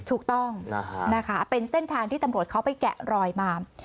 ถูกต้องนะคะเป็นเส้นทางที่ตำรวจเขาไปแกะรอยมา